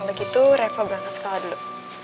kalau gitu reva berangkat sekolah dulu